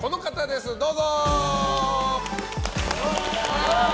どうぞ！